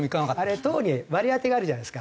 あれ党に割り当てがあるじゃないですか。